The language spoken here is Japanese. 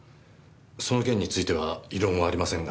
その件については異論はありませんが。